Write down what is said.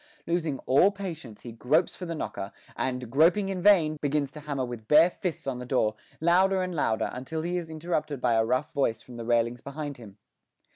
Losing all patience, he gropes for the knocker, and, groping in vain, begins to hammer with bare fists on the door, louder and louder, until he is interrupted by a rough voice from the railings behind him.